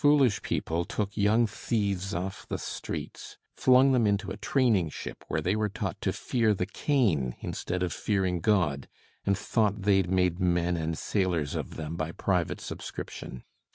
Foolish people took young thieves off the streets; flung them into a training ship where they were taught to fear the cane instead of fearing God; and thought they'd made men and sailors of them by private subscription.